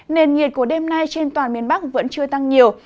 nền nhiệt của đêm nay trên toàn miền bắc vẫn chưa tăng nhiều